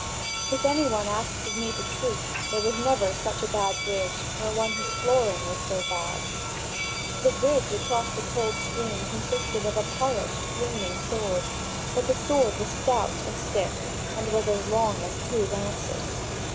If any one asks of me the truth, there never was such a bad bridge, nor one whose flooring was so bad. The bridge across the cold stream consisted of a polished, gleaming sword; but the sword was stout and stiff, and was as long as two lances.